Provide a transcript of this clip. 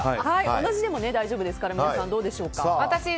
同じでも大丈夫ですから皆さんどうでしょうか。